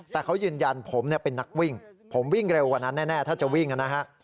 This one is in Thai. แต่เขายืนยันผมเป็นนักวิ่งผมวิ่งเร็วกว่านั้นแน่ถ้าจะวิ่งนะฮะ